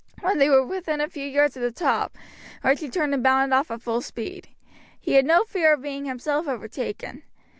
When they were within a few yards of the top Archie turned and bounded off at full speed. He had no fear of being himself overtaken.